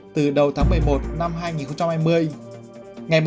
từ đầu tháng một mươi một năm hai nghìn hai mươi